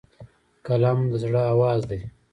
قلم د زړه آواز دی